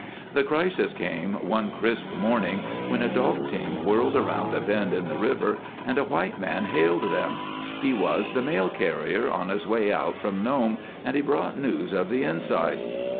The crisis came one crisp morning when a dog team whirled around a bend in the river and a white man hailed them. He was the mail carrier, on his way out from Nome, and he brought news of the "inside."